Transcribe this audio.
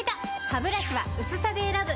ハブラシは薄さで選ぶ！